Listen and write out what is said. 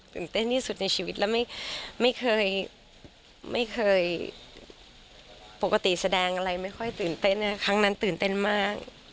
ตื่นเต้นที่สุดในชีวิตแล้วไม่เคยไม่เคยปกติแสดงอะไรไม่ค่อยตื่นเต้นน่ะ